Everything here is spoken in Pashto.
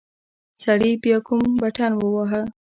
سړي بيا کوم بټن وواهه.